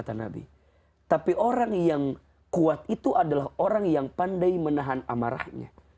tapi orang yang kuat itu adalah orang yang pandai menahan amarahnya